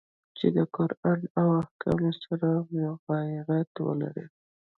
چي د قرآن له احکامو سره مغایرت ولري.